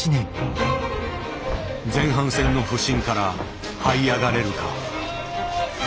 前半戦の不振からはい上がれるか。